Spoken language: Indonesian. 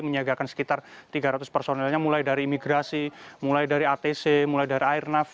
menyiagakan sekitar tiga ratus personelnya mulai dari imigrasi mulai dari atc mulai dari airnav